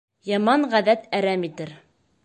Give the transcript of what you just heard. Яман ғәҙәт әрәм итер.